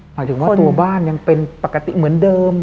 หมายถึงว่าตัวบ้านยังเป็นปกติเหมือนเดิม